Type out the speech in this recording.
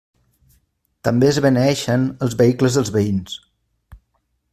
També es beneeixen els vehicles dels veïns.